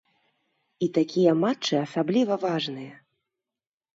І такія матчы асабліва важныя.